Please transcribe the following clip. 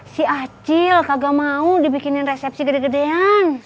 si acil kagak mau dibikinin resepsi gede gedean